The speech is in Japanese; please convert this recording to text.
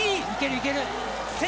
いける、いける。